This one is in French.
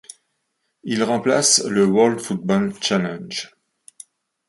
Il remplace le World Football Challenge.